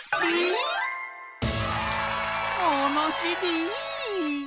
ものしり！